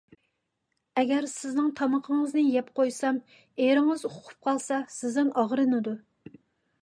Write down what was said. ئەگەر سىزنىڭ تامىقىڭىزنى يەپ قويسام، ئېرىڭىز ئۇقۇپ قالسا سىزدىن ئاغرىنىدۇ.